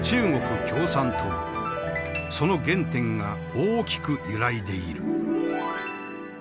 その原点が大きく揺らいでいる。